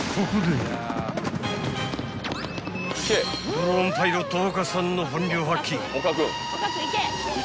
［ドローンパイロット岡さんの本領発揮］